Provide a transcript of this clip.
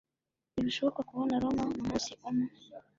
Ntibishoboka kubona Roma mumunsi umwe.